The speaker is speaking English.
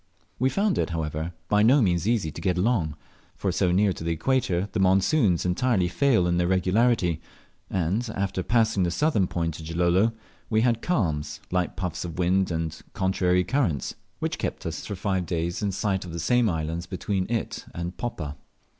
We found it, however, by no means easy to get along; for so near to the equator the monsoons entirely fail of their regularity, and after passing the southern point of Gilolo we had calms, light puffs of wind, and contrary currents, which kept us for five days in sight of the same islands between it and Poppa.